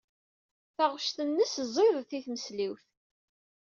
Taɣect-nnes ẓidet i tmesliwt.